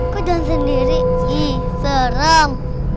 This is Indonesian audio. kok jangan sendiri ih serem